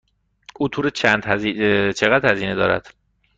این تور چقدر هزینه دارد؟